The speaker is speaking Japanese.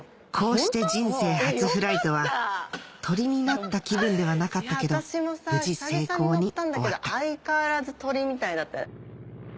こうして人生初フライトは鳥になった気分ではなかったけど無事成功に終わった相変わらず鳥みたいだった。